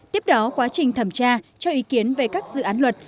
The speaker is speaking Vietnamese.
tiếp đó quá trình thẩm tra cho ý kiến về các dự án luật